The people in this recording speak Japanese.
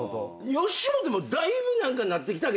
吉本もだいぶなってきたけどな。